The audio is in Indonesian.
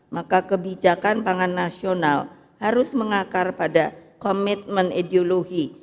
maka kebijakan pangan nasional harus mengakar pada komitmen ideologi